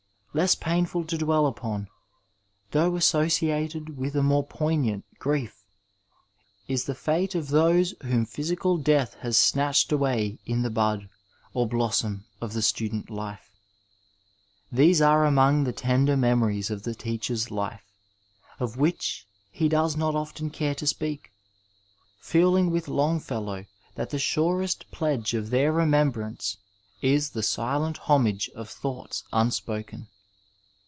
Less painful to dwell upon, though associated with a more poignant grief, is the fate of those whom physical death has snatched away in the bud or blossom of the student life. These are among the tender memories of the teacher's life, of which he does not often care to speak, feeling with 442 Digitized by Google THE STXJDEJTT LIFE Longfellow that the suiest pledge of their remembrance is *' the silent homage of thoughts unspoken."